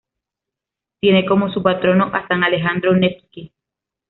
Tiene como su patrono a San Alejandro Nevsky.